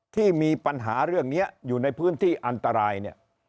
ที่มีปัญหาเรื่องนี้อยู่ในพื้นที่อันตรายเนี่ย